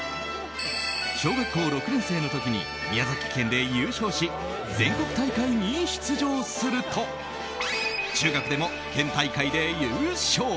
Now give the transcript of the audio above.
小学校６年生の時に宮崎県で優勝し全国大会に出場すると中学でも県大会で優勝。